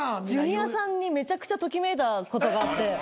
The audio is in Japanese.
ジュニアさんにめちゃくちゃときめいたことがあって。